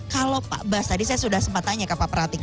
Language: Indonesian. kalau pak bas tadi saya sudah sempat tanya ke pak pratik